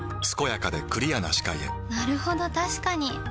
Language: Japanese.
健やかでクリアな視界へなるほど確かに！